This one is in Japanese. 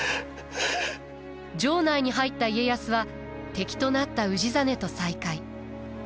城内に入った家康は敵となった氏真と再会。